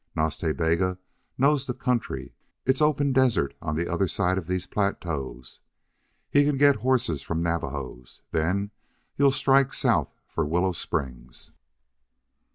Nas Ta Bega knows the country. It's open desert on the other side of these plateaus. He can get horses from Navajos. Then you'll strike south for Willow Springs."